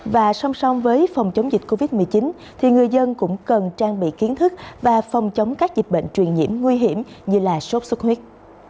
và song song với phòng chống dịch covid một mươi chín thì người dân cũng cần trang bị kiến thức và phòng chống các dịch bệnh truyền nhiễm nguy hiểm như là sốt xuất huyết